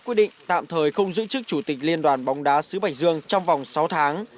của chủ tịch liên đoàn bóng đá sứ bạch dương trong vòng sáu tháng